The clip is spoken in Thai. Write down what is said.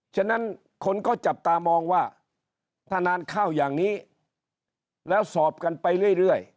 ฉะนั้นคนก็จับตามองว่าถ้านานเข้าอย่างนี้แล้วสอบกันไปเรื่อย